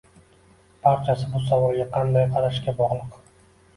Barchasi bu savolga qanday qarashga bog'liq.